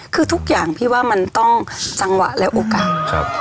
คือทุกอย่างพี่ว่ามันต้องจังหวะและโอกาสครับ